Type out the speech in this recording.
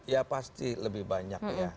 ya pasti lebih banyak ya